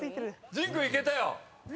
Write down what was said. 陣君いけたよ。